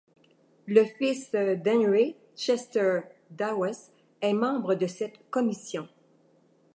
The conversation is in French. Le fils d'Henry, Chester Dawes, est membre de cette commission.